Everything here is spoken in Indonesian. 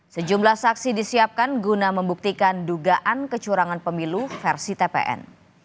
sejumlah saksi disiapkan guna membuktikan dugaan kecurangan pemilu versi tpn